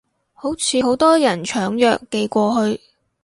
好似好多人搶藥寄過去